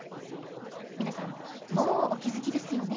皆さんもうお気づきですよね？